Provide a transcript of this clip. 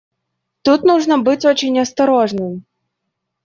Тут нужно быть очень осторожным.